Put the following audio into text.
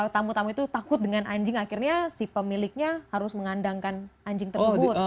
tamu tamu itu takut dengan anjing akhirnya si pemiliknya harus mengandangkan anjing tersebut